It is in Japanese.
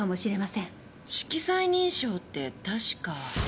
色彩認証って確か。